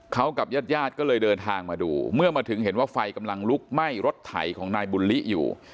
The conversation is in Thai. เขากับญาติญาติก็เลยเดินทางมาดูเมื่อมาถึงเห็นว่าไฟกำลังลุกไหม้รถไถของนายบุญลิอยู่